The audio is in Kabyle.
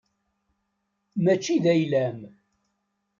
Mačči d ayla-m.